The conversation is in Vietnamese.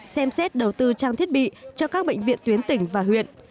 xem xét đầu tư trang thiết bị cho các bệnh viện tuyến tỉnh và huyện